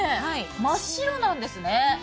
真っ白なんですね。